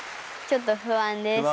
ちょっと不安です。